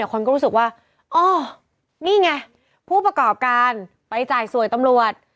คนก็รู้สึกว่าอ๋อนี่ไงผู้ประกอบการไปจ่ายสวยตำรวจ